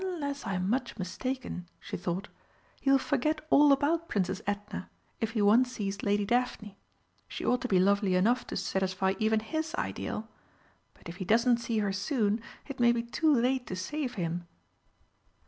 "Unless I'm much mistaken," she thought, "he will forget all about Princess Edna if he once sees Lady Daphne. She ought to be lovely enough to satisfy even his ideal. But if he doesn't see her soon, it may be too late to save him."